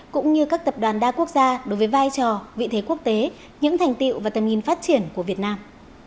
cũng như các tập đoàn đa quốc gia đối với vai trò vị thế quốc tế những thành tiệu và tầm nhìn phát triển của việt nam